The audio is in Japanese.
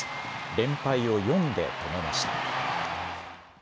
連敗を４で止めました。